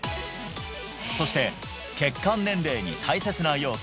そして血管年齢に大切な要素